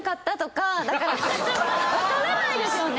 分からないですよね。